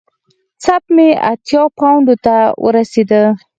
سپ مې اتیا پونډو ته ورسېده.